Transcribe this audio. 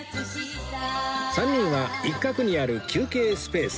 ３人は一角にある休憩スペースへ